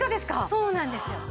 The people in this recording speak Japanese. そうなんですよ。